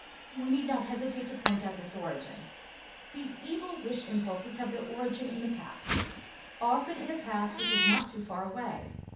We need not hesitate to point out this origin. These evil wish impulses have their origin in the past, often in a past which is not too far away.